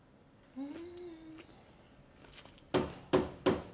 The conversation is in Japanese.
うん。